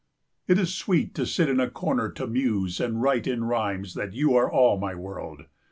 It is sweet to sit in a corner to muse and write in rhymes that you are all my world.